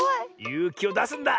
ゆうきをだすんだ！